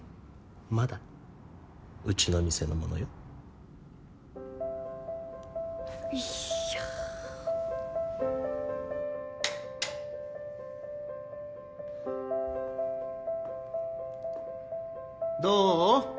まだうちの店のものよいやどう？